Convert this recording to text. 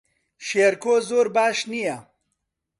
شێرکۆ زۆر باش نییە.